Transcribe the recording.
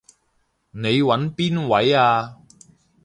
你搵邊位啊？